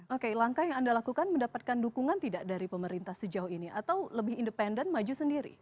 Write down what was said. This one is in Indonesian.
oke langkah yang anda lakukan mendapatkan dukungan tidak dari pemerintah sejauh ini atau lebih independen maju sendiri